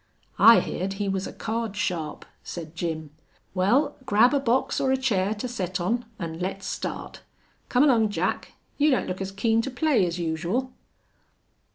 "I heerd he was a card sharp," said Jim. "Wal, grab a box or a chair to set on an' let's start. Come along, Jack; you don't look as keen to play as usual."